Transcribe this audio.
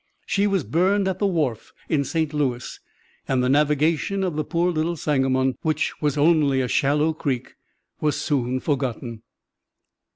She was burned at the wharf in St. Louis, and the navigation of the poor little Sangamon, which was only a shallow creek, was soon forgotten.